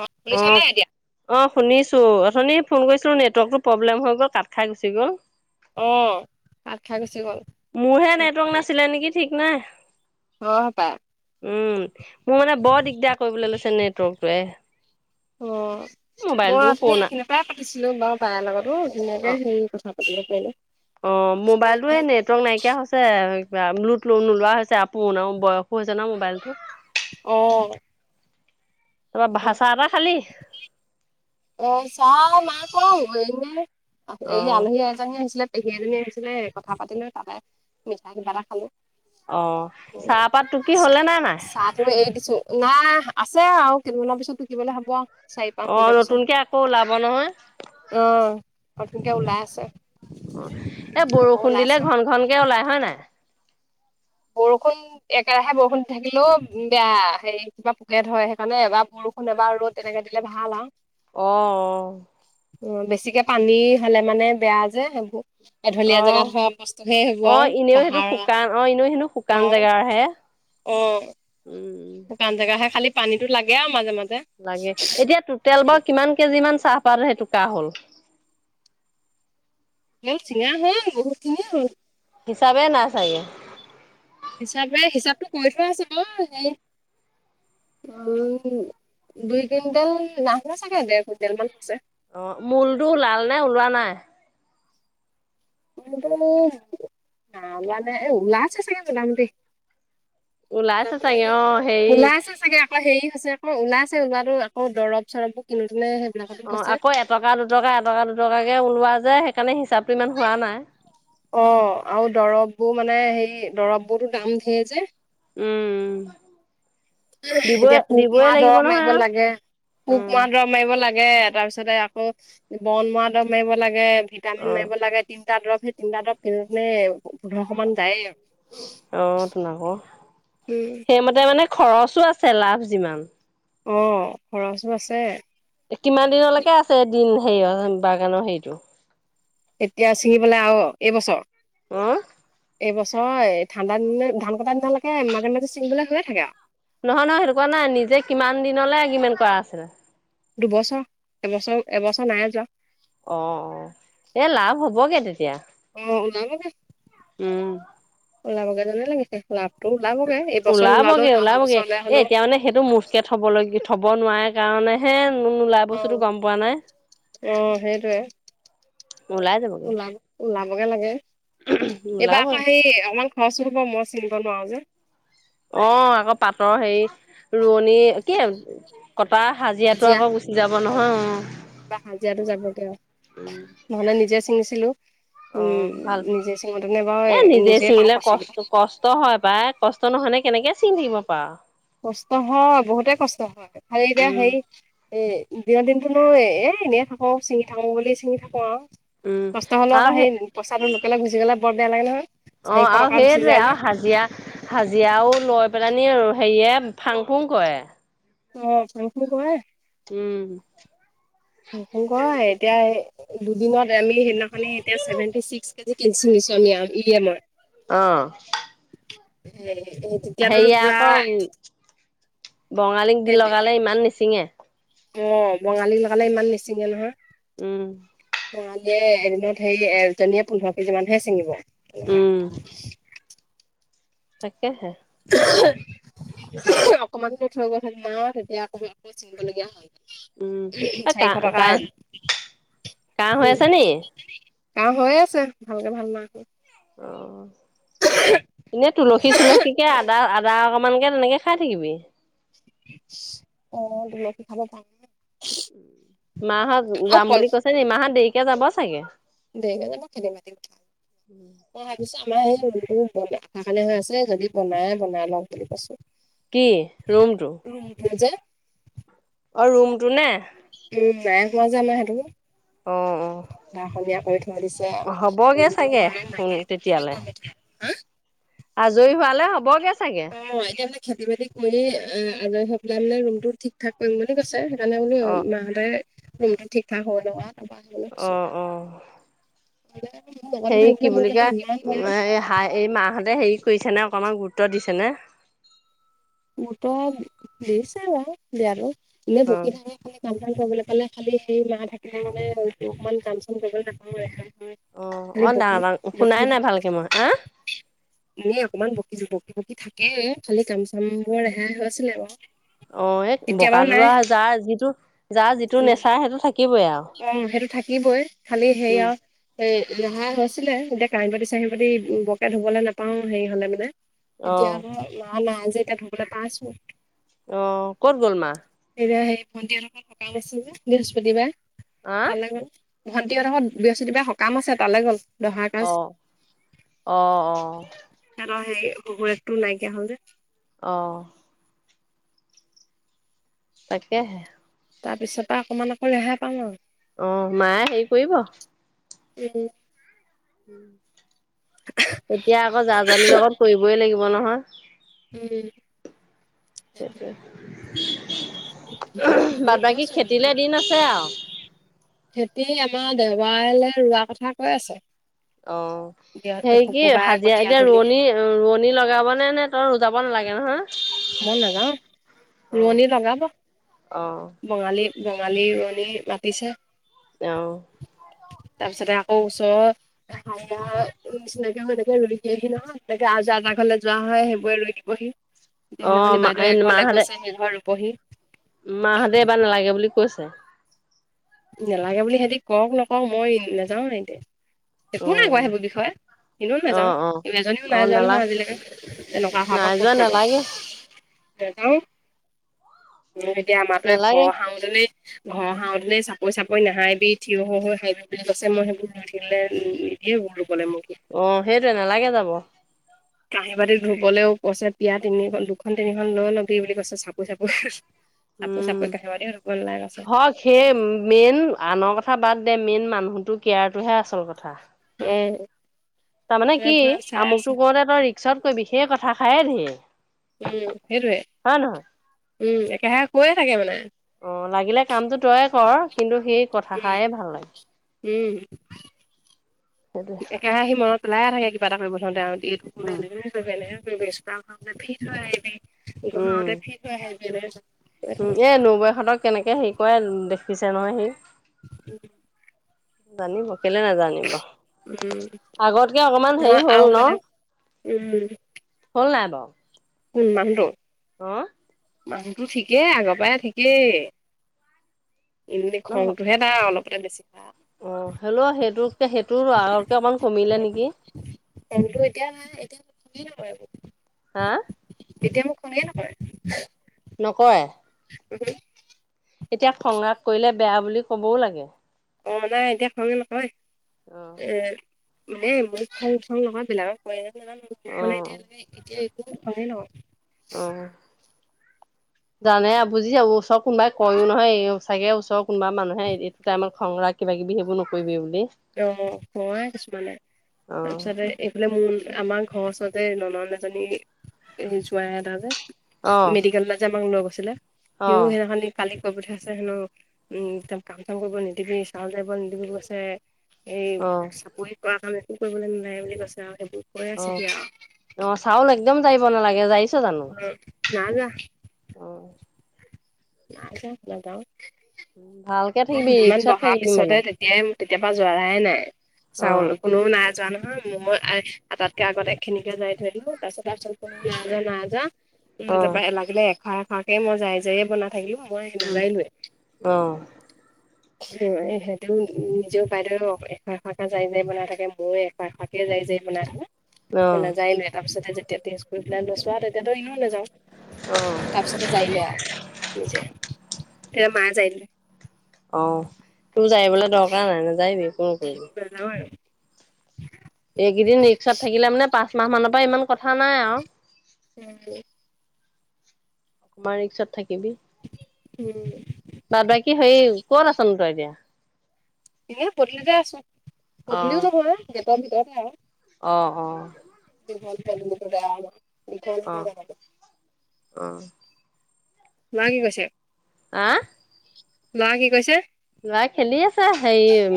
অ শুনিছা নাই এতিয়া? অঁ শুনিছো অথনি ফোন কৰিছিলো, নেটৱৰ্কটো প্ৰব্লেম হৈ গ'ল কাট খাই গুচি গ'ল। অঁ কাট খাই গুচি গ'ল। মোৰহে নেটৱৰ্ক নাছিলে নেকি ঠিক নাই হয় হপাই। উম মোৰ মানে বৰ দিগদাৰ কৰিবলৈ লৈছে নেটৱৰ্কটোৱয়ে। অঁ, মই অথনি পুৰণা এইখিনিৰ পৰাই পাতিছিলো বাৰু বাই লগতো ধুনীয়াকে হেই কথা পাতিব পৰিলো। অঁ, মোবাইলটো সেই নেট নেটৱৰ্ক নাইকিয়া হৈছে কিবা, লোড নোলোৱা হৈছে আকৌ বয়সো হৈছে ন মোবাইলটো। অঁ। তাৰপৰা ভা চাহ তাহ খালী? অ' চাহ নাইখোৱা এনে এই অ', আলহী এজনী আহিছিলে। পেহী এজনী আহিছিলে কথা পাতিলো তাতে মিঠাই কিবা এটা খালো। অহ' চাহপাত টুকি হ'লে নে নাই? মই এৰি দিছোঁ। নাই আছে আৰু কেইদিনমানৰ পিছত টুকিবলৈ হ'ব আৰু। চাৰি পাঁচ অ' নতুনকে আকৌ ওলাব নহয়। অঁ নতুনকে ওলাই আছে। এ আকৌ বৰষুণ ওলাই দিলে আছে ঘন ঘন কে ওলাই হয় নাই? বৰষুণ একেৰাহে বৰষুণ দি থাকিলেও বেয়া। হেৰি কিবা পোকে ধৰে, সেইকাৰণে এবাৰ বৰষুণ এবাৰ ৰ'দ তেনেকে দিলে ভাল আৰু। অ' অঁ। অঁ বেছিকে পানী হলে মানে বেয়া যে সেইবোৰ। অ', এঢলীয়া জেগাত অ'। হোৱা বস্তুহে সেইবোৰ আৰু পাহাৰিয়া। অঁ এনেও হেনো শুকান জেগা হে। অ উম উম। শুকান জেগাহে খাল পানীতো লাগে আউ মাজে মাজে লাগে এতিয়া তোতেল বাৰু কিমান কেজি মান চাহপাত সেইটোকা হ'ল এহ ছিঙা হ'ল বহুত খিনিয়ে হ'ল হিচাপে নাই চাগে হিচাপে হিচাপতটো কৰি থোৱা আছে বা সেই উম দুই কুইণ্টেল নাহোৱা চাগে ডেৰ কুইণ্টেল মান হছে অ মূলটো ওলাল নে ওলোৱা নাই মুলটো না ওলোৱা নে এ ওলাছে চাগে জলাম দি ওলাইছে ওলাব চাগে লাগে অ হেৰি ওলাইছে চাগে আকৌ হেৰি হৈছে ক ওলাইছে ওলাতো আকৌ দৰব চৰবো কিনোতেনে সেইবিলাকতো অ গৈছে আকৌ এটকা দুটকা এটকা দুটকাকে ওলোৱা যে সেইকাৰণে হিচাপটো ইমান হোৱা নাই অ আউ দৰৱবোৰ মানে হেই দৰব বোৰতো দাম ধেৰ যে উম উ এতিয়া পোক মৰা লাগিব দৰৱ নহয় মাৰিব আৰু লাগে পোক উম মৰা দৰৱ মাৰিব লাগে তাৰপিছতে আকৌ বন মৱা দৰৱ মাৰিব লাগে অ ভিটামিন মাৰিব লাগে তিনটা দৰৱ সেই তিনিটা দৰৱ কিনোতে পো পোন্ধৰশ মান যায় অ তোন আকৌ উম সেইমতে মানে খৰচো আছে লাভ যিমান অ খৰচো আছে কিমান দিনলৈকে আছে দিন হেৰিয় বাগানৰ হেৰিটো এতিয়া ছিঙিবলে আৱ এইবছ অঁ এই বছৰ এই ঠাণ্ডা দিনত ধান কটা দিনলৈকে মাজে মাজে চিঙিবলে হৈয়ে থাকে আউ নহয় নহয় সেতো কুৱা নাই নিজে কিমান দিনলে এগ্ৰিমেন্ত কৰা আছিলে দুবছ এবছৰ এবছৰ নাই যোৱা অ অ এই লাভ হ'বগে তেতিয়া অ উম ওলাবগজনে লাগিছে ফুলাব ত লাগে ওলাবগে ওলাবগে এ এতিয়া মানে সেইটো মুঠকে থব ল থব নোৱাই সেই কাৰণেহে নো নোলাই অ বস্তুটো গম পোৱা নাই অ সেইটোয়ে ওলাই যাবগে ওলাব ওলাবগে লাগে এইবাৰ ওলাবই আকৌ সেই অকমান খৰচো হব মই চিঙিব নোৱাও যে অ আকৌ পাটৰ হেৰি ৰুৱনী কি কটা হাজিৰাটো আকৌ গুচি যাব নহয় অ বা হাজিৰাটো যাবগে অ নহলে নিজে ছিঙিছিলো অ'। উম ভাল নিজে চিঙতেনে এ বাৰু নিজে পাওঁ ছিঙিলে পইচা কষ্ট কেইটা কষ্ট হয় পাই কষ্ট নহয়নে কেনেকে চিঙি থাকিব পাৱ কষ্ট হয় বহুতে কষ্ট হয় খালি এতিয়া উম, হেই এ দিনৰ দিনতো ন এ এনেই থাকো চিঙি থাকো বুলি চিঙি থাকো আউ উম। কষ্ট হলো আকৌ সেই পইচাটো লোকলে গুচি গ'লে বৰ বেয়া লাগে নহয় অ চাৰিশ আউ টকা গুচি সেইটোৱে যায় আউ যে হাজিয়া হাজিয়াও লৈ পেলানি আৰু হেৰিয়ে ফাং ফুং কয়ে অ ফাং ফুং কৰে উম নতুন ক এতিয়া দুদিনত আমি সেইদিনাখন এতিয়া চছেভেন্টি চিক্স নিছো আমি ইতিয়ালৈ অ এ এ তেতিয়া ত হেৰিয়া পুৰা আকৌ বঙালীক দি সেই লগালে ইমান নিচিঙে অ বঙালী লগালে ইমান নিচিঙে নহয় উম বঙালীয়ে এদিনত হেই এজনীয়ে পোন্ধৰ কেজি মান হে চিঙিব এনেকুৱা উম তাকেহে অকমান কে থৈ গ'ল হেঁতেন আও তেতিয়া আকৌ বেছি চিঙিব লগীয়া হয়। উম অ চাৰিশ কাহ টকা কাহ কাহ উ হৈ আছে নি? কাহ হৈ আছে ভালকে ভাল নাই হোৱা। অ এনে তুলসী চুলসী কে আদা আদা অকমান কে তেনেকে খাই থাকিবি। অ তুলসী খালে ভাল মাহত অ' যাম কল বুলি কৈছে নি মাহত দেৰিকে যাব চাগে। দেৰিকে যাব মই ভাবিছোঁ আমাৰ সেইফালে হৈ আছে যদি বনাই বনাই লম বুলি কৈছোঁ কি ৰুমটো? ৰুম প্ যে [unintelligible] অ ৰুমটো নে উ নাই হোৱা যে আমাৰ সেইটো। অ অ বহলীয়া কৰি থৈ দিছে হ'বগে অলপ চাগে নাজান সোন তেকে তেতিয়ালে। গ হা আজৰি হোৱালে হবগে চাগে অ এতিয়া মানে খেতি বাতি কৰিয়ে আজৰি হৈ পেলাই মানে ৰুম টো থিক থাক - কৰিম বুলি কৈছে সেইকাৰণে বোলো অ মাহঁতে ৰুমটো ঠিক ঠাক হ নহয় তাৰ অ অ ম হেৰি কি বুলি কে হ এই মাহঁতে হেৰি কৰিছে নে অকমান গুৰুত্ব দিছে নে? গুৰুত্ব দিছে বাৰু দিয়া টো আৰু এনেই বকি থাকে খালি। কাম চাম কৰিবলৈ পালে খালি সেই মাহ থাকিলে মানে অকমান কাম চাম কৰিবলৈ নাপাওঁ এখন অ অ খালি বকি ডাঙৰ ডাঙ শুনাই বকি নাই ভালকে মই হা থাকে। এ অকমান বকিছো বকি বকি থাকে খালে কাম সম বৰে হে হৈছিল নে ম অ এই বকা তলৰা যাৰ যিটো যাৰ যিটো উম নেচাৰ সেইটো থাকিবই আৰু অ সেইটো থাকিবই খালি উম সেয়া এ ৰেহাই হৈছিলে এতিয়া কাহি বাতি চাহি পাতি বৰকে ধুবলৈ নাপাও হেৰি হলে মানে অ এতিয়া আকৌ মা মা যে এতিয়া ধবলৈ পাই আছো অ ক'ত গ'ল মা? এতিয়া সেই ভণ্টি হতৰ ঘৰত সকাম আছে যে বৃহস্পতিবাৰে হা তালৈ গ'ল ভণ্টি হেতৰ ঘৰত বৃহস্পতিৰবাৰে সকাম আছে তালে গ'ল দহা কাজ আহ অ অ হেতৰ সেই শহু একটো নাইকিয়া হ'ল যে অ তাকে হে। তাৰ পিছত পাই অকণমান আকৌ ৰেহাই পাম আও। অহ মায়ে হেৰি কৰিব। নিদিয়ে। তেতিয়া আকৌ যা জালিৰ লগত কৰিবই লাগিব নহয়। এ তাকে সেইটো মই উহ বাদ নহ'লে বাকী কৈছো খেতিলে দিন আছে আও খেতি আমাৰ দেওবাৰেলে ৰোৱা কথা কৈ আছে। অহ সেই কি শুকুৰবাৰে হাজিৰা কঠীয়া চাজিৰা তুলি ৰোৱনী। ‌ৰো ৰোৱণী লগাব নে নে তই যাব নালাগে নহয়। মই নাযাওঁ। ৰোৱনী লগাব। অহ বঙালী-বঙালী ৰোৱনি মাতিছে। অহ তাৰপিছতে আকৌ ওচৰ। হাজিৰা নিচিনাকে এনেকে ৰুই দিয়েহি নহয়। তাকে আ জা তা ঘৰলে যোৱা হয়, সেইবোৰে ৰুই দিবহি। অ', সেইনাখনি মা বাইদেউ এক ঘৰলৈ গৈছে সেই ঘৰ ৰোবহি। মা হঁতে এইবাৰ নালাগে বুলি কৈছে। নালাগে বুলি হেতি কওক নকও মই নাযাওঁ ন এতিয়া একো নাই কোৱা অ', সেইবোৰ বিষয়ে এনেও নাযাওঁ অ', অ', এজনীও নাই অ', যাওঁ নালা নহয় আজিলেকে। তেনেকুৱা অহা পৰা নাই কত যোৱা যাব। নালাগে া এতিয়া আমাৰ ঘৰ নালাগে খাওতে [unintelligible] নেই ঘৰ খাওঁতেনে চ চাপই চাপই নাহাহিবি থিয় হৈ হৈ হাঁহি থাকিবলৈ কৈছে। মই সেইবোৰ লৈ থাকিলে নিদিয়ে ৰোৱলে মোক সি। অহ সেইটোৱে নালাগে যাব। কাঁহী, বাতি ধুবলৈও কৈছে। পীড়া তিনিখন দুখন তিনিখন লৈ ল'বি বুলি কৈছে চাপই চাপই। [unintelligible] চাপই চাপই কাঁহী, বাটিও ধুব নালাগে কৈছে। হওক সেই মেইন আনৰ কথা বাদ দে, মেইন মানুহটো কেয়াৰটোহে আচল কথা। এ তাৰমানে কি? আমোকটো কওঁতে তই ৰিক্স আউট কৰিবি সেই কথাষাৰে ঢেৰি। উম সেইটোৱে। উম একেৰাহে কৈয়ে থাকে মানে। অহ লাগিলে কামটো তইয়ে কৰ, কিন্তু সেই উম কথাষাৰেই ভাল লাগে। উম। সেইটোৱে একেৰাহে সি মনত পেলাই থাকে কিবা এটা কৰিব ধৰোঁতে আৰু এইটো কোনে উম এনেকে। এইটো এনেকে কৰিবি ষ্ট্ৰক কৰোঁতে ফিট হৈ আহিবি। এই বহাগতে উম ফিট হৈ আহিবি এনেকে কয় তেনেকে। এ নবৌয়েহতক কেনেকে সেই। কয় দেখিছে নহয় সি। উম উম। জানিব কেলে নাজান নিব? উম আগতকে অকমান হেৰি নহয় হ'ল আৰু ন? বেলেগ উম হ'ল নাই বাৰু। কোন? মানুহটো অহ। মানুহটো ঠিকেই আগৰ পৰাই ঠিকেই এনেই খংটোহে তাৰ অলপতে বেছি ভা অঁ, হ'লেও সেইটোতকে সেইটো আগতকে অকণমান কমিলে নেকি? টাইমটো এতিয়া এটেণ্ডে নকৰে বোলো। হাঁ। এতিয়া মোক খঙে নকৰে। নকৰে? উমহোঁ। এতিয়া খং-ৰাগ কৰিলে বেয়া বুলি ক'বও লাগে। অ নাই এতিয়া খং নকৰে। অ এ মানে মোক খং- চং নকৰে বেলেগক কৰে যদি নেজানো। মোক অ মানে এতিয়ালৈকে এতিয়া একো খঙে নকৰে। অঁ। জানে বুজি যাব। ওচৰ কোনোবাই কয়ও নহয় এইও চাগে ওচৰৰ কোনোবা মানুহে এ তই আমাক খং-ৰাগ কিবা-কিবি সেইবোৰ নকৰিবি বুলি। তেঁও মোক কয় কিছুমানে। অ', তাৰপিছতে এইফালে মোৰ আমাৰ ঘৰৰ ওচৰতে ননন্দ এজনী এই জোৱাই এটা যে অ', মেডিকেললে যে আমাক লৈ গৈছিলে। সিও অ', সেইদিনাখনি কালি কৈ পঠিয়াইছে হেনো, উম তাক কাম-চাম কৰিব নিদিবি, চাউল জাৰিব নিদিবি কৈছে। অ', সেই চাপৰি কৰা কাৰণে একো কৰিবলে নোৱাৰে বুলি কৈছে আও সেইবোৰ। কৈ আছে অঁ, সি আৰু অঁ চাউল একদম জাৰিব নালাগে জাৰিছ জানোঁ? অ' নাই যোৱা। নাই যোৱা নাযাওঁ। ভালকে থাকিবি, ৰিক্সত থাকিবি মানে? তেম তেতিয়া পৰা জৰাই নাই চাউল। অ', কোনো নাই জৰা নহয় মম মই আহ আ তাত্কে আগতে এখিনিকে জাৰি থৈ দিলোঁ। তাৰপিছত তাৰপিছৰ পৰা নাই জৰা, নাই জৰা উম, অ', তাৰপৰা এ লা লাগিলে এখৰা এখৰাকে মই জাৰি জাৰিয়ে বনাই থাকিলো মই নাজাৰিলোৱে। অঁ। এই সেইটো নিজেও বাইদেউ এখৰা এখৰাকে জাৰি জাৰি বনাই থাকে। মও এখৰা এখৰাকে জাৰি জাৰি বনাই থাকিলোঁ। অ', মই নেজাৰিলোৱে তাৰপিছতে যেতিয়া টেষ্ট কৰি পেলাই লৈছো আও তাৰ তেতিয়াটো এনেইও অ', নেযাওঁ। তাৰপিছতে জাৰিলো আও নিজে। তে মাই জাৰিলে। অঁ, তোৰ জাৰিবলে দৰকাৰ নাই, নেজাৰিবি মই কৈছোঁ। জাৰোৱে। এইকেইদিন ৰিক্সত থাকিলে মানে পাঁচ মাহমানৰ পৰা ইমান কথা নাই আৰু। উম, উম। তোমাৰ ৰিক্সত থাকিবি। উম। বা--বাকী কি হেৰি ক'ত আছনো তই এতিয়া? এই পদুলিতে আছোঁ। পদুলিও নহয়, গেটৰ ভিতৰতে আৰু। অঁ, অঁ। দীঘল দীঘল ধুন্দুলীটো বেয়া হেনো মিঠা মিঠা অ', লাগে মুখ অ', ল'ৰা কি কৰিছে? আঁ ল'ৰা কি কৰিছে? ল'ৰাই খেলি আছে হেৰি উম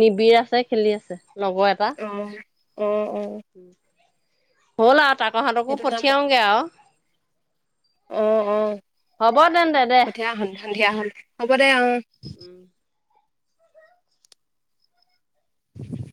নিবিৰ আছে, খেলি আছে লগৰ এটা। অ', অ', অ', হ'ল আৰু তাপা সিহঁতকো সেইটো নাম পঠিয়াওগৈ আৰু। অ' অ' হ'ব তেন্তে দে পঠিয়া হল সন্ধিয়া হল হ'ব দে উম অ'। উম [inaudible]